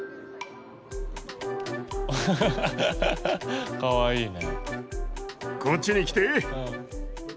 アハハハハかわいいね。